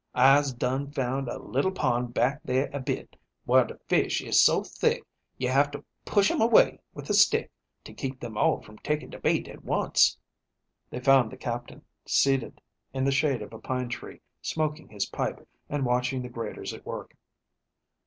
I'se done found a little pond back there a bit, whar de fish is so thick you have to push 'em away with a stick to keep them from all taking de bait at once." They found the Captain, seated in the shade of a pine tree, smoking his pipe and watching the graders at work.